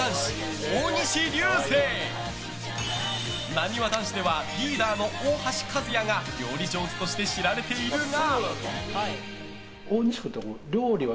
なにわ男子ではリーダーの大橋和也が料理上手として知られているが。